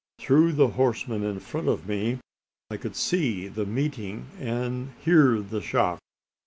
Through the horsemen in front of me, I could see the meeting, and hear the shock.